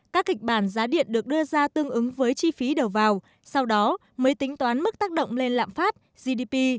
các kịch bản giá điện được đưa ra tương ứng với chi phí đầu vào sau đó mới tính toán mức tác động lên lạm phát gdp